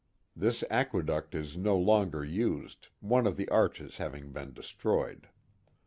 This aqueduct is no longer used, one of the arches having been destroyed.